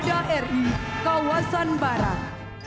dari armada ri kawasan barat